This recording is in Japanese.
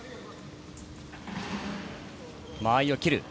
間合いを切る。